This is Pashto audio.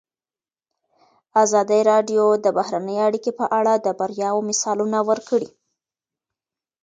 ازادي راډیو د بهرنۍ اړیکې په اړه د بریاوو مثالونه ورکړي.